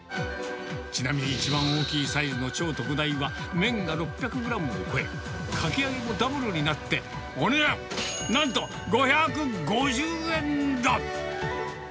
ちなみに一番大きいサイズの超特大は、麺が６００グラムを超え、かき揚げもダブルになって、お値段なんと５５０円だ。